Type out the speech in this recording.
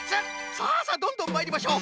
さあさあどんどんまいりましょう！